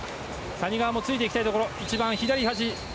谷川もついていきたいところ。